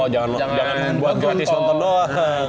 jangan buat gratis nonton doang